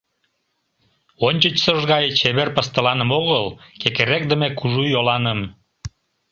Ончычсыж гай чевер пыстыланым огыл, кекерекдыме, кужу йоланым.